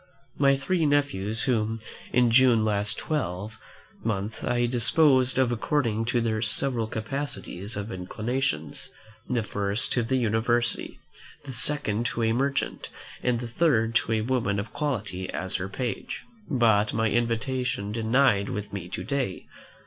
My three nephews, whom, in June last twelve month, I disposed of according to their several capacities and inclinations; the first to the university, the second to a merchant, and the third to a woman of quality as her page, by my invitation dined with me to day.